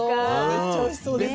めっちゃおいしそうですね。